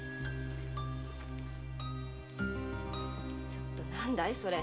ちょっと何だいそれ！